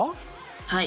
はい。